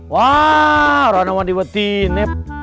wah orang orang diwetin